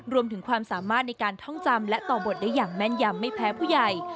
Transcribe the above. รวมถึงความสามารถในการท่องจำและต่อบทได้อย่างแม่นยำไม่แพ้ผู้ใหญ่